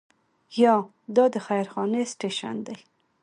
یا دا د خير خانې سټیشن دی.